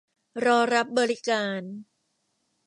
รอรับบริการ